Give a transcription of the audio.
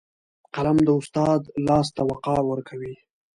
قلم د استاد لاس ته وقار ورکوي